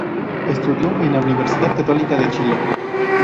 Estudió en la Universidad Católica de Chile.